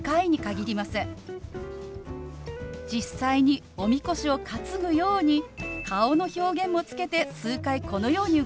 実際におみこしを担ぐように顔の表現もつけて数回このように動かします。